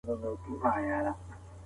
اخلاقي دنده انسان ته څه ور زده کوي؟